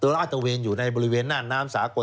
ลาดตะเวนอยู่ในบริเวณน่านน้ำสากล